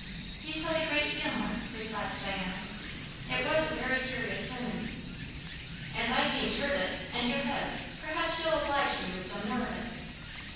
"He said a great deal more," replied Diana. "It was a very curious sermon." "As I hain't heard it, and you hev', perhaps you'll oblige me with some more of it."